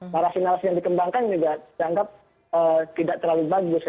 para sinarasi yang dikembangkan juga dianggap tidak terlalu bagus